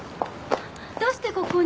どうしてここに？